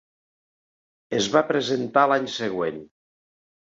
Es va presentar l'any següent.